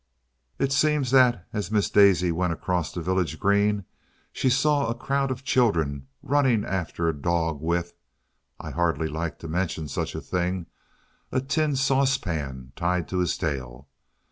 It seems that, as Miss Daisy went across the village green, she saw a crowd of children running after a dog with I hardly like to mention such a thing a tin saucepan tied to his tail!